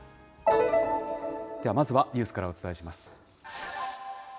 ではまずはニュースからお伝えします。